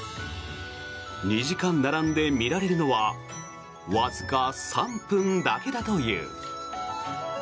２時間並んで、見られるのはわずか３分だけだという。